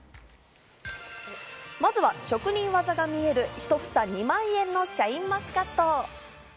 まずは職人技が見える一房２万円のシャインマスカット。